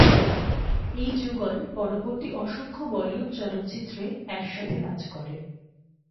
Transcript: এই যুগল পরবর্তী অসংখ্য বলিউড চলচ্চিত্রে একসাথে কাজ করে।